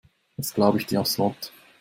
Das glaube ich dir aufs Wort.